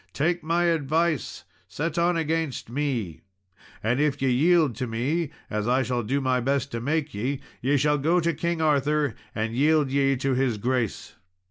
Take my advice, set on against me, and if ye yield to me, as I shall do my best to make ye, ye shall go to King Arthur and yield ye to his grace."